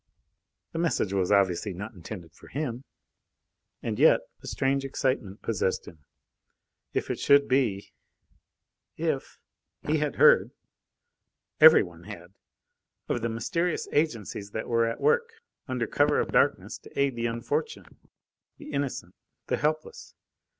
The message was obviously not intended for him, and yet.... A strange excitement possessed him. If it should be! If...! He had heard everyone had of the mysterious agencies that were at work, under cover of darkness, to aid the unfortunate, the innocent, the helpless.